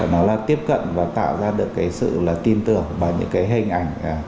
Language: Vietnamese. nó là tiếp cận và tạo ra được cái sự là tin tưởng và những cái hình ảnh